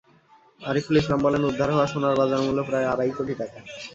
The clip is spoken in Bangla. আরিফুল ইসলাম বলেন, উদ্ধার হওয়া সোনার বাজারমূল্য প্রায় আড়াই কোটি টাকা।